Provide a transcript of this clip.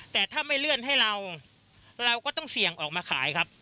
แต่ถ้าไม่เลื่อนให้เราเราก็ต้องเสี่ยงออกมาขายครับ